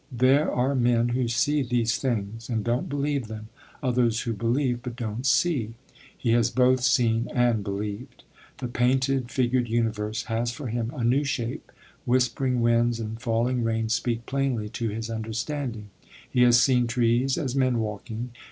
There are men who see these things and don't believe them, others who believe but don't see. He has both seen and believed. The painted, figured universe has for him a new shape; whispering winds and falling rain speak plainly to his understanding. He has seen trees as men walking.